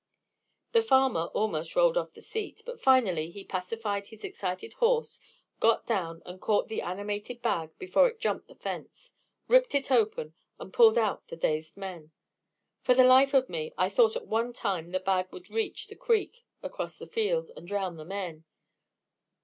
The farmer almost rolled off the seat, but finally he pacified his excited horse, got down, and caught the animated bag before it jumped the fence, ripped it open, and pulled out the dazed men. For the life of me, I thought at one time the bag would reach the creek across the field, and drown the men.